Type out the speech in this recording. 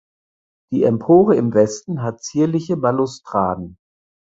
Die Empore im Westen hat zierliche Balustraden.